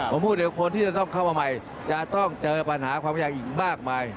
ผมพูดเดี๋ยวคนที่จะต้องเข้ามาใหม่จะต้องเจอปัญหาความพยายามอีกมากมาย